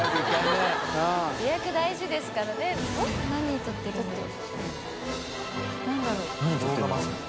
燭世蹐Α何撮ってるんだろう？